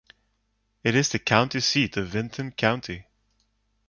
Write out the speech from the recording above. It is the county seat of Vinton County.